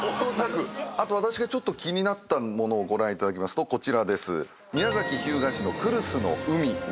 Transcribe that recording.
あと私が気になったものをご覧いただきますとこちらです。